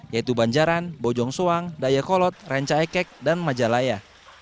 yaitu banjaran bojong soang dayakolot renca ekek dan majalaya